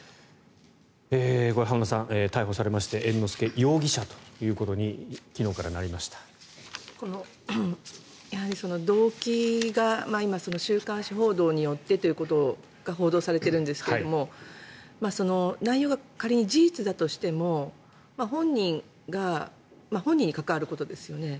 浜田さん、逮捕されまして猿之助容疑者ということにその動機が今、週刊誌報道によってということが報道されているんですが内容が仮に事実だとしても本人に関わることですよね。